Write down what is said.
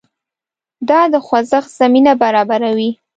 دا د خوځښت زمینه برابروي.